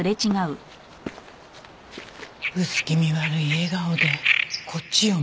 薄気味悪い笑顔でこっちを見てた。